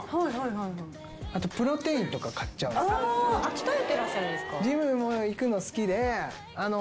鍛えてらっしゃるんですか？